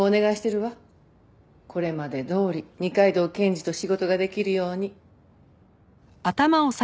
これまでどおり二階堂検事と仕事ができるように。